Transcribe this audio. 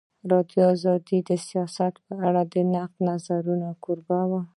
ازادي راډیو د سیاست په اړه د نقدي نظرونو کوربه وه.